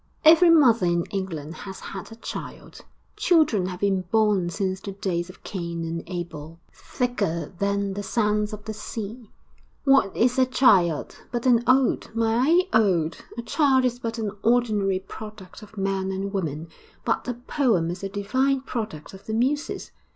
'Every mother in England has had a child; children have been born since the days of Cain and Abel thicker than the sands of the sea. What is a child? But an ode my ode! A child is but an ordinary product of man and woman, but a poem is a divine product of the Muses.